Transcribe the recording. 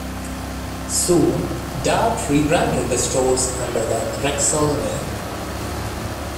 Soon, Dart rebranded the stores under the Rexall name.